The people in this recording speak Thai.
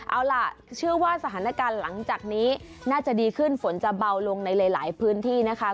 เอาล่ะเชื่อว่าสถานการณ์หลังจากนี้น่าจะดีขึ้นฝนจะเบาลงในหลายพื้นที่นะคะ